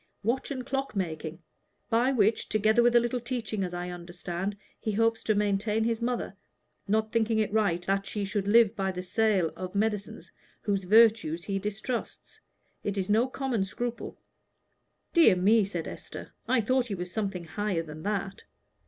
"Watch and clock making, by which, together with a little teaching, as I understand, he hopes to maintain his mother, not thinking it right that he should live by the sale of medicines whose virtues he distrusts. It is no common scruple." "Dear me," said Esther, "I thought he was something higher than that."